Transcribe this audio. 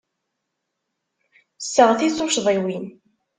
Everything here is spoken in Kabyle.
Sseɣtit tuccḍiwin.